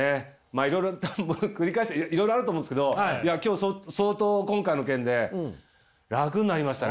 いろいろ繰り返していろいろあると思うんですけど今日相当今回の件で楽になりましたね。